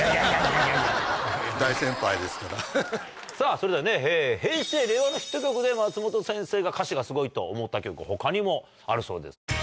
それでは平成令和のヒット曲で松本先生が歌詞がすごいと思った曲他にもあるそうです。